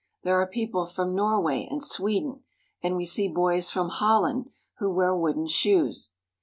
There are people from Norway and Sweden, and we see boys from Holland, who wear wooden shoes.